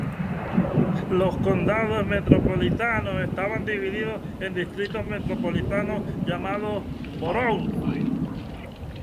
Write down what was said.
Los condados metropolitanos estaban divididos en distritos metropolitanos llamados "boroughs".